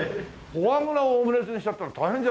フォアグラをオムレツにしちゃったら大変じゃないの。